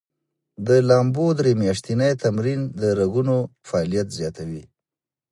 د لامبو درې میاشتې تمرین د رګونو فعالیت زیاتوي.